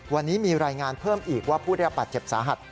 วันนี้มีรายงานเพิ่มอีกว่าผู้ได้รับบาดเจ็บสาหัส